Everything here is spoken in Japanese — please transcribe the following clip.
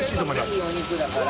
いいお肉だから。